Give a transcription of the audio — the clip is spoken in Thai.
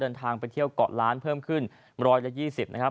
เดินทางไปเที่ยวเกาะล้านเพิ่มขึ้น๑๒๐นะครับ